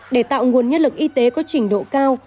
để tạo nguồn nhân lực y tế có trình độ cao